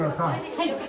はい。